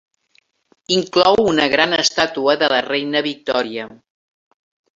Inclou una gran estàtua de la Reina Victòria.